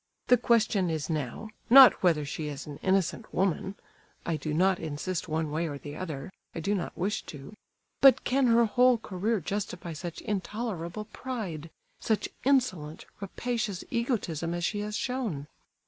The question is now, not whether she is an innocent woman (I do not insist one way or the other—I do not wish to); but can her whole career justify such intolerable pride, such insolent, rapacious egotism as she has shown?